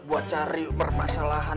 buat cari permasalahan